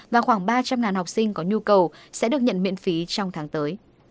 và khoảng ba trăm linh học sinh có nhu cầu sẽ được nhận miễn phí trong tháng tới